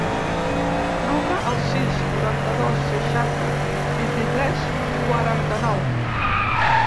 Truca al sis, noranta-dos, seixanta, vint-i-tres, quaranta-nou.